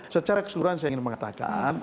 secara keseluruhan saya ingin mengatakan